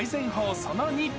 その２。